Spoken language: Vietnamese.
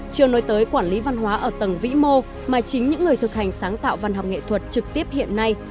chưa nói tới quản lý văn hóa ở tầng vĩ mô mà chính những người thực hành sáng tạo văn học nghệ thuật trực tiếp hiện nay